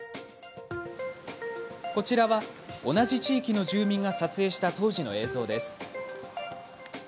こちらは、同じ地域の住民が撮影した当時の映像です。